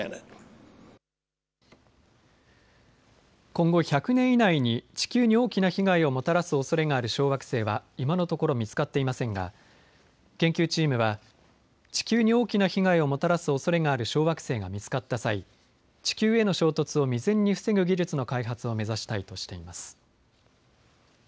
今後１００年以内に地球に大きな被害をもたらすおそれがある小惑星は今のところ見つかっていませんが研究チームは地球に大きな被害をもたらすおそれがある小惑星が見つかった際、地球への衝突を未然に防ぐ技術の開発を目指したいとしています。